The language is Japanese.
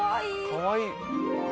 かわいい。